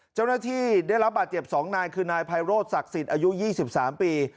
เจ้าหน้าที่ได้รับบาดเจ็บสองนายคือนายภัยโรธศักดิ์สิทธิ์อายุ๒๓ปี